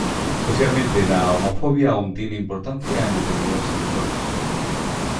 Socialmente, la homofobia aún tiene importancia en determinados sectores.